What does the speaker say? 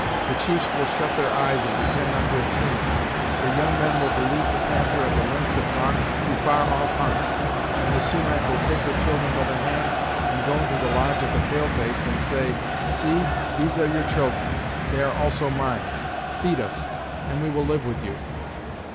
The chiefs will shut their eyes and pretend not to have seen it; the young men will believe the Panther and the Lynx have gone to far off hunts, and the Sumach will take her children by the hand, and go into the lodge of the pale face and say 'See; these are your children; they are also mine feed us, and we will live with you.'"